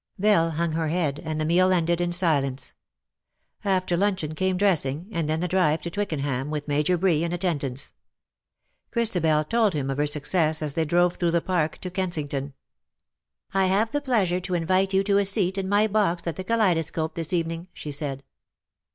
^'' Belle hung her head, and the meal ended in silence. After luncheon came dressing, and then the drive to Twickenham, with Major Bree in attendance. Christabel told him of her success as they drove through the Park to Kensington. " I have the pleasure to invite you to a seat in CUPID AND rSYCHE. 211 my box at the Kaleidoscope this evening," she said.